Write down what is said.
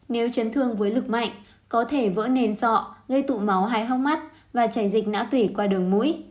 nếu chấn thương với lực mạnh có thể vỡ nền sọ gây tụ máu hái hóc mắt và chảy dịch não tủy qua đường mũi